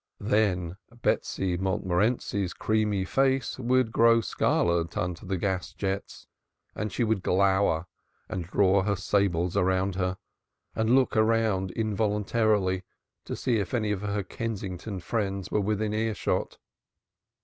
Then Betsy Montmorenci's creamy face would grow scarlet under the gas jets, and she would glower and draw her sables around her, and look round involuntarily, to see if any of her Kensington friends were within earshot.